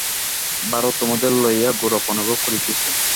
ভারত তোমাদের লইয়া গৌরব অনুভব করিতেছে।